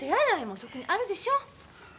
そこにあるでしょ！